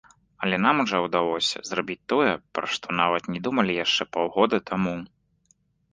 Але нам жа ўдалося зрабіць тое, пра што нават не думалі яшчэ паўгода таму.